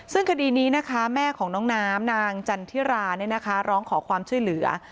ซึ่งคดีนี้นะคะแม่ของน้องน้ำนางจันทิราร้องขอความช่วยเหลือ